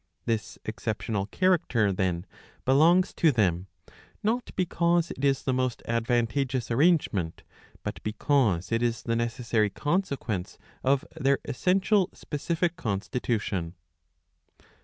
This exceptional character, then, belongs to them, not because it is the .most advantageous arrangement, but because it is the necessary consequence of their essential specific constitution.